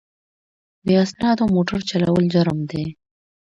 بې اسنادو موټر چلول جرم دی.